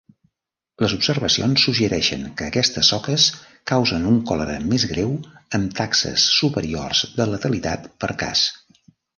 Les observacions suggereixen que aquestes soques causen un còlera més greu amb taxes superiors de letalitat per cas.